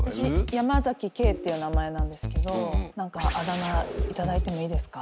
山ケイって名前なんですけどあだ名頂いてもいいですか？